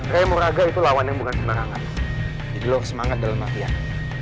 ray muraga itu lawan yang bukan sebenarnya jadi lo harus semangat dalam hati hati